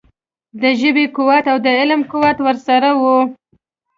د ژبې قوت او د علم قوت ورسره وو.